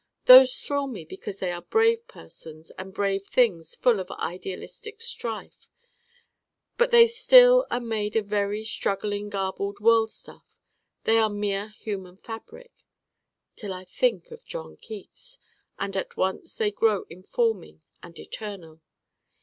Those thrill me because they are brave persons and brave things full of idealistic strife: but they still are made of very struggling garbled world stuff they are mere human fabric till I think of John Keats: and at once they grow informing and eternal.